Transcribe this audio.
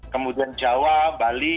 kemudian jawa bali